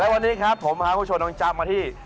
วันนี้ครับผมพาคุณผู้ชมน้องจำมาที่